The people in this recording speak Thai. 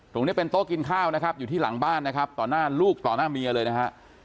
ตรงนี้เป็นโต๊ะกินข้าวนะครับอยู่ที่หลังบ้านนะครับต่อหน้าลูกต่อหน้าเมียเลยนะฮะ